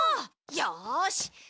よし。